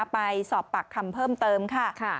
ไปสอบปากคำเพิ่มเติมค่ะ